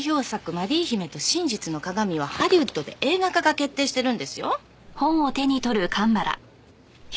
『マリー姫と真実の鏡』はハリウッドで映画化が決定してるんですよ。